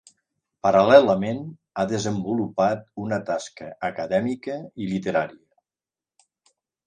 Paral·lelament, ha desenvolupat una tasca acadèmica i literària.